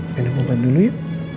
minum ubat dulu ya